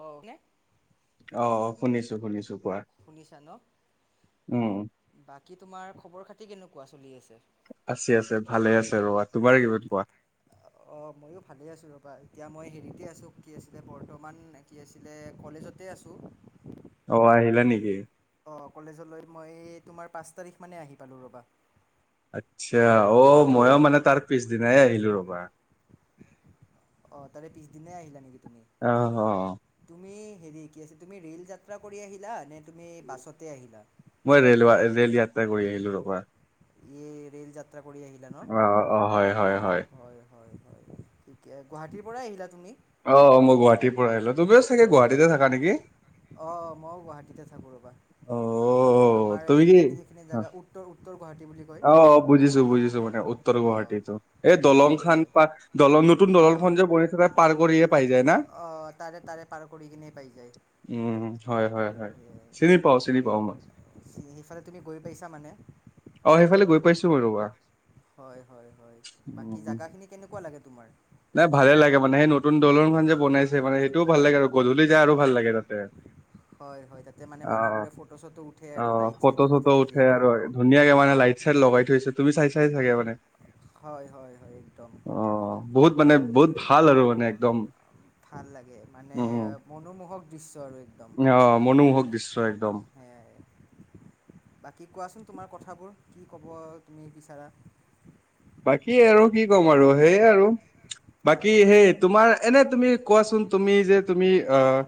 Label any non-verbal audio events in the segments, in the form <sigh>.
অ নে অ অ শুনিছো শুনিছো কোৱা? শুনিছা ন? উম বাকী তোমাৰ খবৰ - খাতি কেনেকোৱা চলি আছে? আছে আছে ভালে আছে ৰৱা তোমাৰ কিবা কোৱা? অ ময়ো ভালেই আছো ৰ'বা! এতিয়া মই হেৰিতে আছো কি আছিলে বৰ্তমান কি আছিলে কলেজতে আছো। অ আহিলা নেকি? অ কলেজলৈ মই তোমাৰ পাঁচ তাৰিখ মানে আহি পালো ৰ'বা! আচ্ছা, অ মইও মানে তাৰ পিছদিনাই আহিলো ৰবা! অ তাৰে পিছদিনেই আহিলা নেকি তুমি? অ অ। তুমি হেৰি কি আছে তুমি ৰে'ল যাত্ৰা কৰি আহিলা নে তুমি বাছতে আহিলা? মই ৰেলৱা ৰেল যাত্ৰা কৰি আহিলো ৰবা! ইয়ে ৰে'ল যাত্ৰা কৰি আহিলা অ অ হয় হয় ন'? হয় হয়-হয়-হয় ঠিকে গুৱাহাটীৰ পৰাই আহিলা তুমি? অ মই গুৱাহাটীৰ পৰা আহিলো তুমিও চাগে গুৱাহাটীতে থাকা নেকি? অ মইও গুৱাহাটীতে থাকো ৰ'বা! অ আমাৰ তুমি কি এইখিনি সেইখিনি জেগা উ তোৰ উত্তৰ গুৱাহাটী বুলি কয় অ' বুজিছোঁ-বুজিছোঁ মানে উত্তৰ উত্তৰ অঁ গুৱাহাটীতো এই দলং হয় খান হয় পাত দলং নতুন দলংখন যে বনাইছে তাক পাৰ কৰিয়ে পাই যায় না? অ' তাৰে-তাৰে পাৰ কৰি কিনে পাই যায়। উম হয়-হয়-হয় চিনি পাওঁ চিনি পাওঁ মই সেইফালে তুমি গৈ পাইছা মানে? অ' সেইফালে গৈ পাইছোঁ মই ৰবা। হয়-হয়-হয়, বাকী উম জাগাখিনি কেনেকুৱা লাগে তোমাৰ? নাই ভালে লাগে মানে সেই নতুন দলংখন যে বনাইছে মানে সেইটোও ভাল লাগে আৰু গধূলি যায় আৰু ভাল লাগে তাতে। হয়-হয় তাতে মানে অ মানুহবোৰে ফটো চটো উঠে অ আৰু লাইট ফটো চাইট জ্বলি চটো থাকে উঠে যিহেতু। আৰু ধুনীয়াকে মানে লাইট চাইট লগাই থৈছে তুমি চাই চাইগে মানে? হয়-হয়-হয় একদম। অ বহুত মানে বহুত ভাল আৰু মানে একদম। ভাল লাগে মানে উম উম মনোমোহক দৃশ্য আৰু একদম। অ মনোমোহক দৃশ্য একদম অ' সেয়াই বাকী কোৱাচোন তোমাৰ কথাবোৰ কি ক'ব তুমি বিচাৰা? বাকী আৰু কি ক'ম আৰু সেই আৰু বাকী হয় সেই তোমাৰ এনে তুমি কোৱাচোন তুমি যে তুমি অ'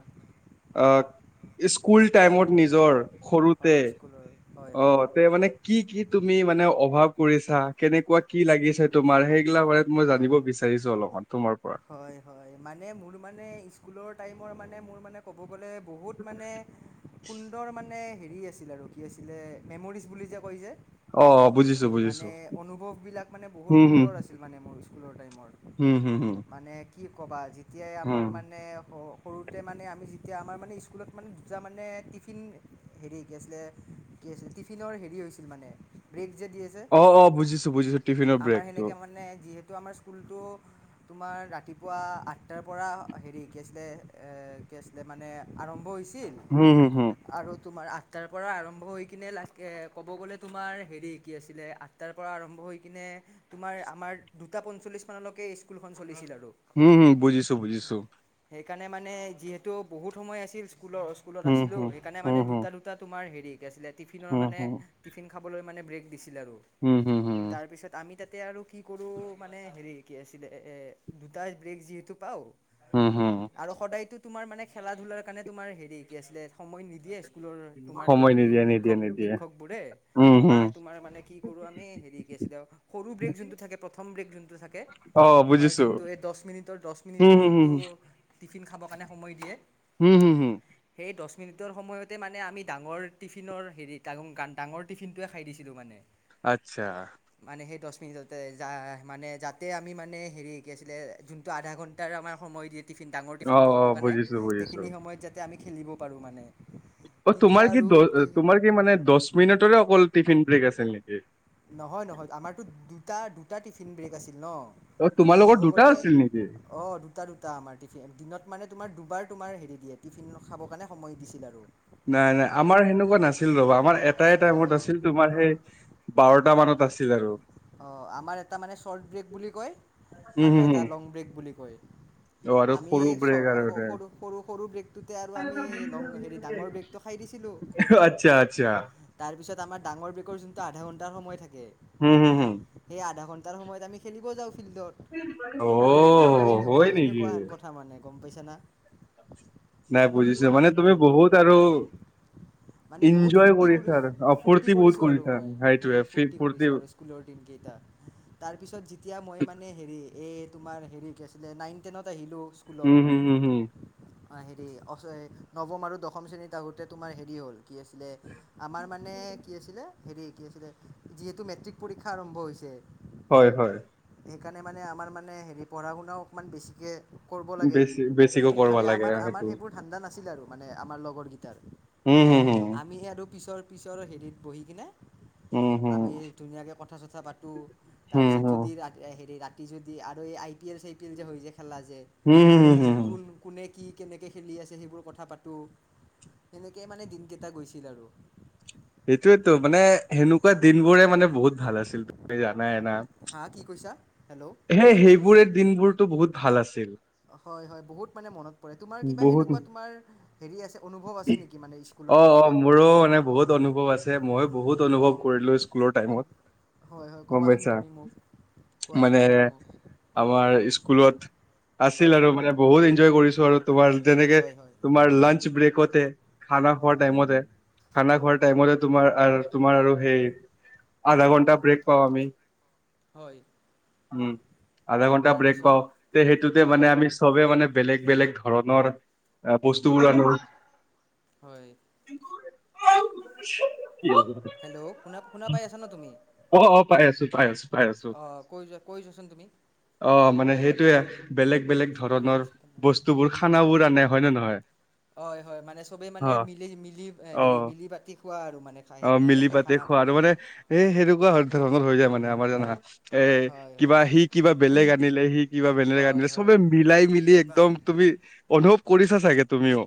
অ' স্কুল টাইমত নিজৰ সৰুতে হয় স্কুলৰ হয় হয় অ' তে মানে কি-কি তুমি মানে অভাৱ কৰিছাঁ, কেনেকুৱা কি লাগিছে তোমাৰ সেইগিলাক মানে মই হয় জানিব হয় বিচাৰিছোঁ অলপমান তোমাৰ পৰা? হয় হয় মানে মোৰ মানে স্কুলৰ টাইমৰ মানে মোৰ মানে ক'ব গ'লে বহুত মানে সুন্দৰ মানে হেৰি আছিল আৰু কি আছিলে মেমৰিজ বুলি যে কয় যে। অ বুজিছো বুজিছো মানে অনুভৱবিলাক মানে বহুত সুন্দৰ আছিল মানে মোৰ স্কুলৰ টাইমৰ। হম হুম-হুম মানে কি ক'বা যেতিয়াই আমাৰ মানে হ সৰুতে মানে আমি যেতিয়া আমাৰ মানে স্কুলত মানে দুটা মানে টিফিন হেৰি কি আছিলে কি আছিল টিফিনৰ হেৰি হৈছিল মানে ব্ৰেক যে দিয়ে যে অ'-অ' বুজিছোঁ-বুজিছোঁ টিফিনৰ আমাৰ সেনেকৈ ব্ৰেকটো। মানে যিহেতু আমাৰ স্কুলটো তোমাৰ ৰাতিপুৱা আঠটাৰ পৰা হেৰি কি আছিলে এ কি আছিলে মানে আৰম্ভ হৈছিল। হুম-হুম-হুম। আৰু তোমাৰ আঠটাৰ পৰা আৰম্ভ হৈ কিনে লাগ ক'ব গ'লে তোমাৰ হেৰি কি আছিলে আঠ আঠটাৰ পৰা আৰম্ভ হৈ কিনে তোমাৰ আমাৰ দুটা পঞ্চল্লিছ মানলৈকে স্কুলখন চলিছিল আৰু। উম-উম বুজিছোঁ-বুজিছোঁ। সেইকাৰণে মানে যিহেতু বহুত সময় আছিল স্কুলৰ স্কুলত হুম আছিলোঁ হুম সেইকাৰণে হুম মানে দুটা-দুটা দুটা তোমাৰ হেৰি কি আছিলে টিফিনৰ হুম হুম মানে হুম টিফিন খাবলৈ মানে ব্ৰেক দিছিল আৰু। উম হুম হুম তাৰ পিছত আমি তাতে আৰু কি কি কৰোঁ মানে হেৰি কি আছিলে এ দুটা ব্ৰেক যিহেতু পাওঁ উম হুম আৰু সদায়তো তোমাৰ মানে খেলা-ধূলাৰ কাৰণে তোমাৰ হেৰি কি আছিলে সময় নিদিয়ে স্কুলৰ তোমাৰ সময় হেৰি নিদিয়ে নিদিয়ে শিক্ষক নিদিয়ে শিক্ষকবোৰে। উম হুম সেইকাৰণে তোমাৰ মানে কি কৰোঁ আমি হেৰি কি আছিলে সৰু ব্ৰেক যোনটো থাকে প্ৰথম ব্ৰেক যোনটো থাকে অ তোমাৰ বুজিছো যোনটো এই দহ মিনিটৰ দহ হুম মিনিটৰ হুম হুম যোনটো টিফিন খাবৰ কাৰণে সময় দিয়ে। হুম-হুম-হুম সেই দহ মিনিটৰ সময়তে মানে আমি ডাঙৰ টিফিনৰ হেৰি ডা ডাঙৰ টিফিনটোৱে খাই দিছিলোঁ মানে। আচ্ছা। মানে ডচমিন ততে যা মানে যাতে আমি মানে হেৰি কি আছিলে যোনটো আধা ঘণ্টাৰ আমাৰ সময় দিয়ে টিফিন ডাঙৰ অ টিফিনটো অ খাবৰ কাৰণে বুজিছো বুজিছো সেইখিনি সময়ত যাতে আমি খেলিব পাৰো মানে। অ, তেতিয়া তোমাৰ কি আৰু দ তোমাৰ কি মানে দহ মিনিটৰে অকল টিফিন ব্ৰেক আছিল নেকি। নহয় - নহয় আমাৰতো দুটা - দুটা টিফিন ব্ৰেক আছিল ন। অ, তোমালোকৰ লগৰ দুটা আছিল নেকি? অ, দুটা - দুটা আমাৰ টিফিন দিনত মানে তোমাৰ দুবাৰ তোমাৰ হেৰি দিয়ে টিফিন খাবৰ কাৰণে সময় দিছিল আৰু। নাই - নাই আমাৰ সেনেকুৱা নাছিল ৰবা আমাৰ এটাই টাইমত অঁ আছিল তোমাৰ সেই বাৰটা মান মানত আছিল আৰু। অ, আমাৰ এটা মানে চৰ্ট ব্ৰেক বুলি কয় উম আৰু হম এটা হম লং ব্ৰেক বুলি কয়। অ আৰু আমি ব্ৰেক সৰু আৰু দে - সৰু - সৰু ব্ৰেকটোতে আৰু আমি ল হেৰি ডাঙৰ ব্ৰেকটো। খাই দিছিলো। আচ্ছা - আচ্ছা। তাৰপিছত আমাৰ ডাঙৰ বেকৰৰ যোনটো আধা ঘণ্টাৰ সময় থাকে। হুম - হুম - হুম। সেই আধা ঘন্টাত সময় খেলিব জাউ ফিল্ডত অ সেনেকোৱা হয় - নেকি? সেনেকোৱা হেন ক থা মানে গম পাইছানা নাই বুজিছো সেনেকোৱা মানে তুমি কথাবোৰ। বহুত আৰু মানে বহুত ইনজয় ফূৰ্তি কৰিছা কৰি আৰু অ - ফূৰ্তি বহুত কৰিছো আৰু কৰিছা মই সেইটোৱে বহুত ফি- ফূৰ্তি কৰিছো আৰু স্কুলৰ দিনকেইটা। তাৰপিছত যেতিয়া মই মানে হেৰি এই তোমাৰ হেৰি কি আছিলে নাইন টেনত আহিলো। স্কুলত উম হম হম হম হেৰি নৱম আৰু দশম শ্ৰেণীত আগতে তোমাৰ হেৰি হ'ল কি আছিলে আমাৰ মানে কি আছিলে হেৰি কি আছিলে যিহেতু মেট্ৰিক পৰীক্ষা আৰম্ভ হৈছে। হয় - হয়। সেইকাৰণে মানে আমাৰ মানে হেৰি পঢ়া শুনাও অকণমান বেছিকৈ কৰিব লাগে বেছি বেছিকৈ কৰিব খালি লাগে আমাৰ - সেইটো। আমাৰ সেইবোৰ ঠাণ্ডা নাছিলে আৰু মানে আমাৰ লগৰ গিটাৰ উম হুম হুম আমি সে আৰু পিছৰ পিছৰ হেৰিত বহি কিনে। উম - উম। আমি ধুনীয়াকৈ কথা চথা পাতো হুম তাৰপিছত যদি হুম ৰা হেৰি ৰা তি যদি আৰু এই আই পি এল চাই পি এল যে হৈ য খেলা যে হুম হুম হুম হুম তাৰপিছত হুম। কোন কোনে কি কেনেকৈ খেলি আছে সেইবোৰ কথা পাতো সেনেকেই মানে দিনকেইটা গৈছিল আৰু। সেইটোয়েতো মানে সেনেকুৱা দিন বোৰে মানে বহুত ভাল আছিল তুমি জানাইনা। হা কি কৈছা হেল্ল', হে সেইবোৰে দিনবোৰতো বহুত ভাল আছিল। হয় - হয় বহুত মানে মনত পৰে তোমাৰ কিবা বহুত সেনেকুৱা তোমাৰ হেৰি আছে অনুভৱ আছে নেকি মানে অ স্কুলত অ থাকোতে? মোৰো মানে বহুত অনুভৱ আছে মইো বহুত অনুভৱ হয় কৰিলো স্কুলৰ টাইমত। হয় হয় গম ক'বাচোন পাইছা তুমি মোক কোৱাচোন মানে তুমি মোক আমাৰ স্কুলত আছিল হয় আৰু মানে বহুত এনজয় কৰিছো আৰু তোমাৰ যেনেকে হয় হয় তোমাৰ লাঞ্চ ব্ৰেকতে খানা খোৱাৰ অঁ টাইমতে খানা হয় খোৱাৰ টাইম তোমাৰ তোমাৰ আৰু সেই আধা ঘন্টা ব্ৰেক পাও আমি। হয়। উম, আধা ঘণ্টা ব্ৰেক তাৰপিছত পাও তে সেইটোতে হয় মানে আমি হয় চবে মানে বেলেগ - বেলেগ ধৰণৰ বস্তুবোৰ আনো। হয়। কি হব <unintelligible> হেল্ল', শুনা - শুনা পাই আছা ন তুমি? অ', অ', পাই আছো - পাই আছো - পাই আছো। অঁ কৈ যোৱা কৈ যোৱাচোন তুমি অ' মানে সেইটোয়ে বেলেগ বেলেগ স্পীকাৰ নাই ধৰণৰ স্পীকাৰ নাই বস্তুবোৰ খানাবোৰ আনে হয় নে নহয়। হয়-হয় মানে চবেই মানে অ মিলি মিলি অ হেৰি মিলি পাতি খোৱা আৰু মানে। অ, হেৰি একে মিলি পাতি খোৱা খানাবোৰ আৰু মানে এ সেনেকুৱা ধৰণৰ হৈ যায় মানে আমাৰ জানা। এ হয় কিবা হয় সি কিবা কোন বেলেগ আনিলে সি কিবা বেলেগ হয় আনিলে হয়। চবে মিলাই বৈনাক মিলি চোকা। একদম তুমি অনুভৱ কৰিছা চাগে তুমিও।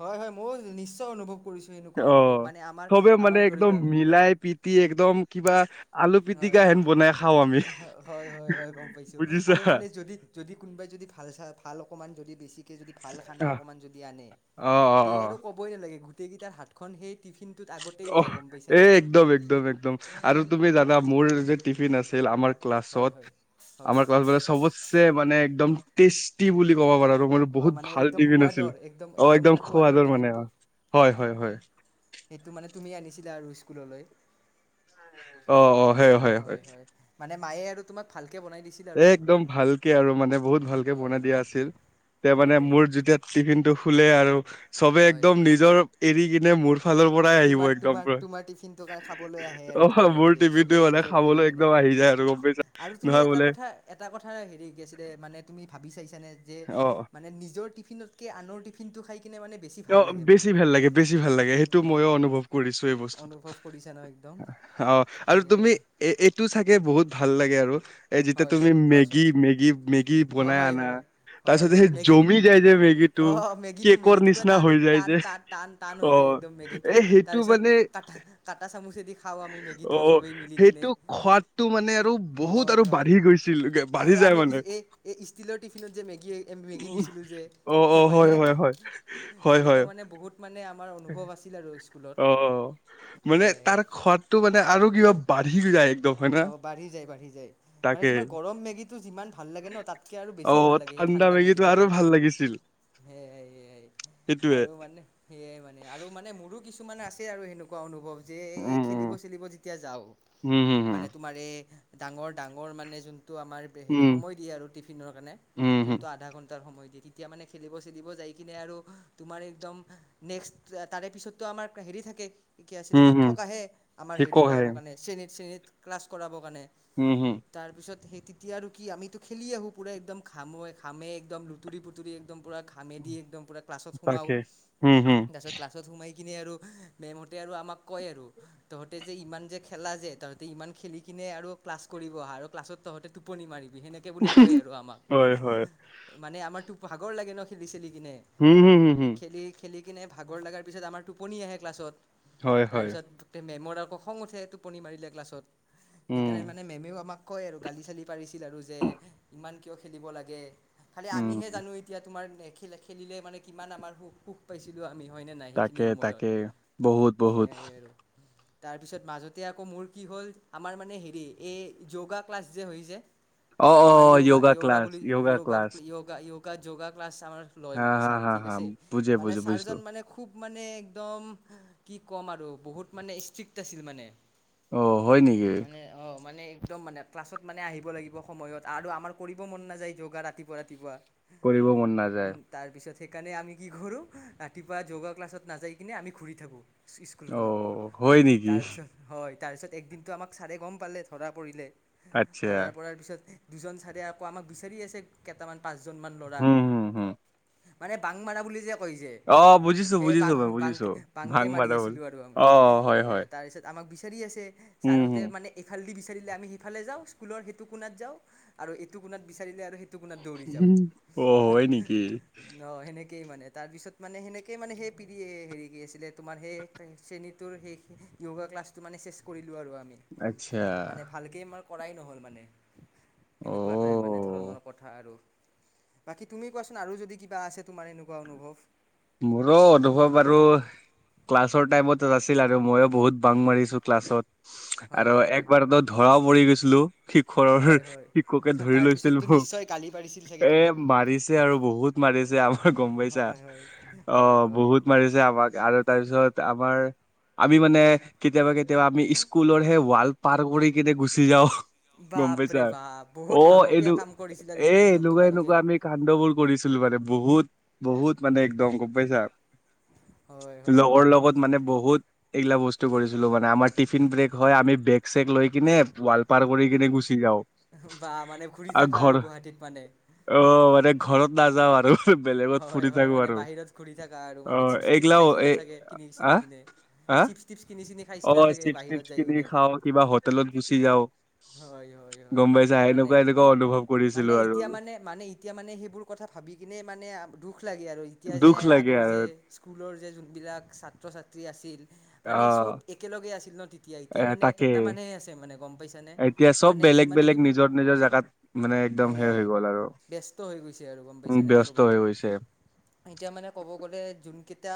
হয়-হয় ময়ও নিশ্চয় অনুভৱ কৰিছো এনেকুৱা অ অনুভৱ। মানে আমাৰ চবে মানে আমাৰ ধৰি একদম লোৱা মিলাই পিতি একদম কিবা আলু পিটিকা হয়। হেন বনাই খাও আমি। হয়, হয়-হয় গম পাইছো বুজিছা আৰু মানে যদি-যদি কোনোবাই যদি ভাল চা ভাল অকণমান যদি বেছিকৈ যদি ভাল খানা অকণমান যদি আনে অ অ তে অ আৰু ক'বই নালাগে গোটেই কেইটাৰ হাতখন সেই টিফিনটোত আগতেই অ' যায় গম এ পাইছানে একদম, একদম-একদম আৰু তুমি জানা মোৰ যে টিফিন আছিল আমাৰ হয় ক্লাছত হয় হয়। আমাৰ ক্লাছত মানে ছবতচে মানে একদম টেস্টি বুলি ক'ব পাৰা আৰু মোৰ অ' বহুত মানে ভাল একদম টিফিন সোৱাদৰ আছিল একদম অ' মানে একদম সোৱাদৰ খোৱাদৰ মানে টিফিনটো। অ'। হয়, হয়-হয়। সেইটো মানে তুমি আনিছিলা আৰু স্কুললৈ হয়- হয়। মানে মায়ে আৰু তোমাক ভালকে বনাই দিচে। এ' একদম ভালকে আৰু মানে বহুত ভালকে হয় বনাই দিয়া হয় আছিল তে মানে হয় মোৰ যেতিয়া টিফিন টো খোলে আৰু চবে হয় একদম নিজৰ এৰি কিনে মোৰ চব ফালৰ পৰাই আহিব তোমাৰ একদম তোমাৰ তোমাৰ টিফিনটো কাৰ খাবলৈ আহে আৰু পুৰা অ' তোমাৰ মোৰ হেৰিত চবেই টিফিনটো মানে নিজৰটো এৰি খাবলৈ কিনে একদম আহি যায়। গম পাইচা আৰু তুমি নহয় এটা বোলে কথা এটা কথা হেৰি কি আছিলে মানে তুমি ভাবি চাইছানে যে অ মানে নিজৰ টিফিনত কে আনৰ টিফিনটো খাই কিনে মানে বেছি ভাল অ' লাগে মানে বেশি ভাল লাগে, বেশি ভাল লাগে। এ, সেইটো ময়ো হয় অনুভৱ কৰিছো এই বস্তুটো। অনুভৱ কৰিছা ন একদম অ' আৰু সেয়াই তুমি এ' এইটো চাগে বহুত ভাল লাগে আৰু এ যেতিয়া হয় তুমি হয় কোৱাচোন মেগী, মেগী, মেগী বনাই হয় আনা হয় হয় তাৰপিছতে হয় সেই মেগী জমি যায় যে মেগী টো অ', মেগীটো কেকৰ মেগীটো নিচিনা পুৰা টান হৈ যায় টান যে টান টান টান হৈ অ' যায় একদম মেগীটো এ সেইটো তাৰপিছত মানে কাটা কাটা চামুচেদি খাওঁ আমি মেগীটো অ' চবেই মিলি কিনে সেইটো সোৱাদটো মানে আৰু বহুত আৰু হয় হয় বাঢ়ি গৈছিলগে আৰু আমি <unintelligible> ইষ্টীলৰ টিফিনত যে মেগী, মেগী উম, নিছিলোঁ যে অ অ হয় হয়নে। হয় হয় হয় হয় সেনেকুৱা মানে বহুত মানে আমাৰ অনুভৱ আছিল আৰু স্কুলত অ' মানে সেয়াই তাৰ সোৱাদটো মানে আৰু কিবা বাঢ়ি যায় একদম। হয় না অ' বাঢ়ি যায়, বাঢ়ি যায়। মানে তাকে তোমাৰ গৰম মেগীটো যিমান ভাল লাগে ন তাতকৈ আৰু অ বেছি ভাল লাগে সেই ঠাণ্ডা মেগীটো আৰু খাইকে। ভাল লাগিছিল সেয়াই-সেয়াই সেইটোয়ে আৰু মানে সেয়াই মানে আৰু মানে মোৰো কিছুমান আছে আৰু সেনেকুৱা এনেকুৱা অনুভৱ যে এই উম উম খেলিব চেলিব যেতিয়া যাওঁ মানে তোমাৰ এই ডাঙৰ-ডাঙৰ মানে যোনটো আমাৰ হেৰি সময় দিয়ে আৰু টিফিনৰ কাৰণে যোনটো আধা ঘণ্টাৰ সময় দিয়ে তেতিয়া মানে খেলিব চেলিব যাই কিনে আৰু তোমাৰ একদম নেক্সট তাৰে পিছততো আমাৰ হেৰি থাকে <unintelligible> আছিলে শিক্ষক আহে আমাৰ হেৰি কৰাবৰ কাৰণে শ্ৰেণীত-শ্ৰেণীত ক্লাছ কৰাবৰ কাৰণে। উম, হম। তাৰপিছত সেই তেতিয়া আৰু কি আমিতো খেলি আহোঁ পুৰা একদম ঘামে একদম লুতুৰি পুতুৰি একদম পুৰা। ঘামেদি একদম পূৰা ক্লাছত সোমাওঁ তাকে। হুম, হুম। তাৰপিছত ক্লাছত সোমাই কিনে আৰু মেমহতে আৰু আমাক কয় আৰু তহতে যে ইমান যে খেলা যে ত তে ইমান খেলি কিনে আৰু ক্লাছ কৰিব আহা আৰু ক্লাছত তহঁতে টুপনি মাৰিবি সেনে তে বুলি কয় আৰু হয়, হয়। আমাক মানে আমাৰতো ভাগৰ লাগে ন খেলি চেলি কিনে হুম - হুম - হুম - হুম। খেলি খেলি কিনে ভাগৰ লগাৰ পিছত আমাৰ টোপনি আহে ক্লাছত হয়, হয়। তাৰপিছত মেমৰ আক খং উঠে টোপনি মাৰিলে ক্লাছত সেইকাৰণে উম, মানে মেমেও আমাক কয় আৰু গালি চালি পাৰিছিল আৰু যে ইমান কিয় খেলিব লাগে। খালি আমিহে উম। জানো এতিয়া তোমাৰ খেলিলে মানে কিমান আমাৰ সুখ-সুখ পাইছিলোঁ আমি হয়নে নাই সেইখিনি তাকে, সময়ত তাকে। বহুত, বহুত। সেয়াই আৰু। তাৰপিছত মাজতে আকৌ মোৰ কি হ'ল আমাৰ মানে হেৰি এই ইয়োগা ক্লাছ যে হৈ যে অ', তোমাৰ অ', ইয়োগা য়োগা ইয়োগা ক্লাছ, বুলি yoga yoga class. Yoga yoga yoga class আমাৰ লয় হা, মানে হা, ছাৰে হা, ঠিক হা। আছে বুজে, মানে বুজে, বুজিছো। ছাৰজন মানে খুব মানে একদম কি ক'ম আৰু বহুত মানে ষ্ট্ৰিক্ট আছিল মানে। অ', হয় নেকি? মানে অ, মানে একদম মানে ক্লাছত মানে আহিব লাগিব সময়ত আৰু আমাৰ কৰিব মন নাযায় ইওগা ৰাতিপুৱা- ৰাতিপুৱা। কৰিব মন নাযায়। তাৰপিছত সেইকাৰণে আমি কি কৰো ৰাতিপুৱা যোগা ক্লাছত নাযায় কিনে আমি ঘূৰি থাকো। স্কুলখনত অ', হয় নেকি? তাৰপিছত হয় তাৰ পিছত একদিনতটো আমাক ছাৰে গম পালে ধৰা পৰিলে আচ্ছা। ধৰা পৰাৰ পিছত দুজন চাৰে আকৌ আমাক বিচাৰি আছে কেইটামান পাঁচজনমান ল'ৰাক। হুম, হুম, হুম। মানে বাংমাৰা বুলি যে কই যে অ', বুজিছো, সেই বুজিছো বাংক মই - বাংক বুজিছো। - ভাং বাংকে মাৰি মাৰা বল। আছিলো আৰু আ অ', হয়, হয়। তাৰপিছত আমাক বিচাৰি আছে ছাৰ হুম, হতে হুম। মানে এইফালে দি বিচাৰিলে আমি সেইফালে যাও স্কুলৰ সেইটো কোণাত যাও আৰু এইটো কোণাত বিচাৰিলে আৰু সেই সিটো কুনাত দৌৰি যাও। অ' হয় নেকি? অ, সেনেকেইে মানে তাৰপিছত মানে সেনেকয়ে মানে সেই পি হেৰি কি আছিলে তোমাৰ সেই শ্ৰেণীটোৰ সেই য়োগা ক্লাছটো মানে চেচ কৰিলো আৰু আমি আচ্ছা মানে ভালকেই আমাৰ কৰাই নহ'ল মানে। সেনেকুৱা এটাই মানে অ' ধৰণৰ কথা আৰু। বাকী তুমি কোৱাচোন আৰু যদি কিবা আছে তোমাৰ এনেকুৱা অনুভৱ? মোৰো অনুভৱ আৰু ক্লাছৰ টাইমত আছিল আৰু ময়ো বহুত বাং মাৰিছো ক্লাছত। আৰু হয় হয় একবাৰত ধৰাও পৰি গৈছিলো শিখৰৰ হয় হয় শি মুকে ধৰি লৈছিল তাৰপিছততো মোক নিশ্চয় গালি পাৰিছিল চাগে এ তোমাক মাৰিছে আৰু বহুত মাৰিছে আমাৰ গম পাইছা। হয় হয় হয়। অ, হয় বহুত মাৰিছে আমাক আৰু তাৰপিছত আমাৰ আমি মানে কেতিয়াবা কেতি কেতিয়াবা আমি স্কুলৰ সেই ৱাল পাৰ কৰি কেনে গুচি যাও। গম পাইছা বাপৰে বাপ অ, বহুত এনে সাহসীয়া কাম কৰিছিলা এ দেখোন একদম এনেকুৱা - তোমালোকে এনেকুৱা আমি কান্ড বোৰ কৰিছিলো মানে বহুত- বহুত মানে একদম গম পাইছা। হয় হয় লগৰ হয় লগত মানে বহুত এইগিলা বস্তু কৰিছিলো মানে আমাৰ টিফিন ব্ৰেক হয় আমি বেগ চেক লৈ কিনে ৱালপাৰ কৰি কিনে গুচি যাও। বা মানে ঘুৰি থাকা আৰু গুৱাহাটীত মানে। অ ঘৰত নাযাও আৰু বেলেগ হয় - হয় মানে বাহিৰত ঘূৰি থাকা আৰু অ মানে চিপছ টিপছ এইগিলাও খাইছিলা এই চাগে কিনি চিনি আহ কিনে আহ চিপছ চিপছ কিনি চিনি অ, খাইছিলা চাগে চিপছ বাহিৰত টিপছ যাই কিনি কিনে খাও কিবা হোটেলত গুচি যাও। হয় - হয় - হয় মানে এনেকুৱা অনুভৱ কৰিছিলো মানে আৰু এতিয়া মানে মানে এতিয়া মানে সেইবোৰ কথা ভাবি কিনে মানে দুখ লাগে আৰু এতিয়া যে দুখ লাগে আগৰ আৰু যে স্কুলৰ যে যোনবিলাক ছাত্ৰ ছাত্ৰী আছিল অ মানে চব একেলগেই আছিল ন। এতিয়া - এ এতিয়া মানে তাকে কেইটামানহে আছে মানে গম পাইছানে? এতিয়া চব মানে বেলেগ - যিমানে বেলেগ তুমি নিজৰ - নিজৰ জেগাত মানে একদম সে সেয়াই হৈ গ'ল আৰু ব্যস্ত হৈ গৈছে আৰু গম উম, পাইছানে ব্য স্ত চবেই হৈ গৈছে। এতিয়া মানে ক'ব গ'লে যোন কেইটা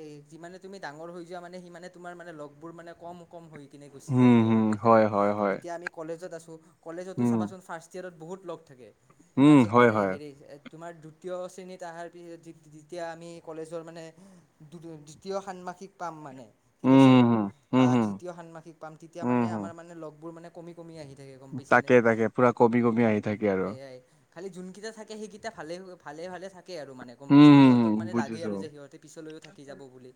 এ যিমানে তুমি ডাঙৰ হৈ যোৱা মানে সি মানে তোমাৰ মানে লগবোৰ মানে কম - কম হৈ কিনে গুচি যাই উম থাকে হুম গম পাইছানে। হয় হয় হয় বা আমি কলেজত আছো কলেজতো উম চাবাচোন ফাৰ্ষ্ট ইয়েৰত বহুত লগ থাকে উম তাৰপিছত হয় হয় হেৰি তোমাৰ দুতীয় শ্ৰেণীত আহাৰ পি যেতিয়া আমি কলেজৰ মানে <unintelligible> দ্বিতীয় ষান্মাসিক পাম মানে ঠিক আছে উম হুম হুম বা হুম তৃতীয় ষান্মাসিক পাম তেতিয়া হুম মানে হুম আমাৰ মানে লগবোৰ মানে কমি কমি আহি থাকে গম হুম পাইছানে তাকে তাকে পুৰা কমি কমি আহি উম থাকে আৰু সেয়াই। খালী যোনকেইটা থাকে সেইকেইটা ভালে- ভালে -ভালে থাকে আৰু মানে। গম উম পাইছানে হুম হুম সিহঁতক মানে লাগে বুজিছো আৰু যে সিহঁতে পিছলৈও থাকি যাব বুলি।